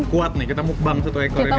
kuat nih kita mukbang satu ekor ini